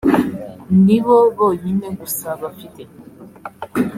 ni bo bonyine gusa bafite